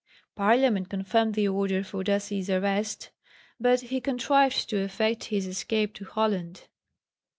Parliament confirmed the order for Dassy's arrest, but he contrived to effect his escape to Holland.